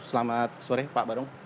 selamat sore pak barung